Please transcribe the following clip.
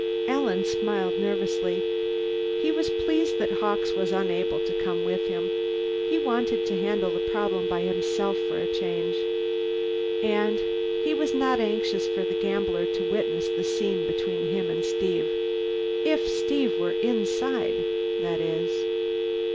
Alan smiled nervously. He was pleased that Hawkes was unable to come with him; he wanted to handle the problem by himself, for a change. And he was not anxious for the gambler to witness the scene between him and Steve. If Steve were inside, that is.